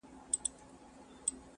د وینو په دریاب کي یو د بل وینو ته تږي٫